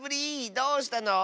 どうしたの？